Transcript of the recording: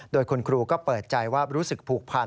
โดยคุณครูก็เปิดใจว่ารู้สึกผูกพัน